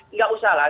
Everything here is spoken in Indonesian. nggak usah lah